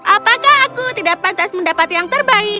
apakah aku tidak pantas mendapat yang terbaik